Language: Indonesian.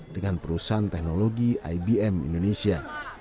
dengan perusahaan teknologi ibm indonesia